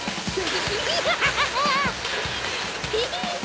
フフフ。